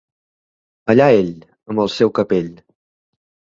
Allà ell, amb el seu capell.